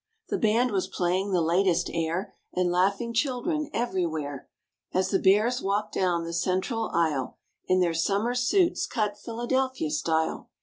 The band was playing the latest air And laughing children everywhere As the Bears walked down the cen¬ tral aisle In their summer suits cut Philadelphia style.